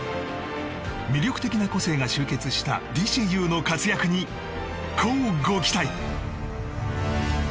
魅力的な個性が集結したＤＣＵの活躍に乞うご期待！